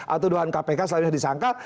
atau tuduhan kpk selalu disangkal